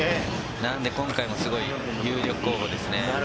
なので今回も有力候補ですね。